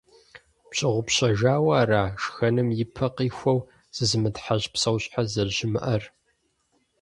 Пщыгъупщэжауэ ара шхэным ипэ къихуэу зызымытхьэщӀ псэущхьэ зэрыщымыӀэр?